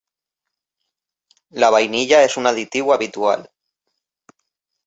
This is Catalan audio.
La vainilla és un additiu habitual.